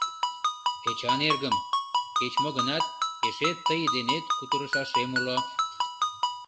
Эчан эргым, кеч-мо гынат, эше тый денет кутырышашем уло.